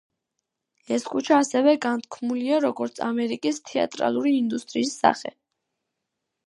ეს ქუჩა ასევე განთქმულია, როგორც ამერიკის თეატრალური ინდუსტრიის სახე.